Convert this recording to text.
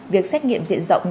việc xét nghiệm diện rộng